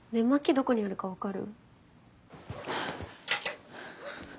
どこにあるか分かる？